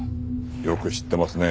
よく知ってますね。